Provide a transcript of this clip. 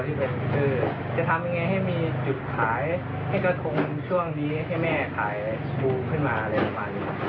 คือจะทำยังไงให้มีจุดขายให้กระทงช่วงนี้ให้แม่ขายกูขึ้นมา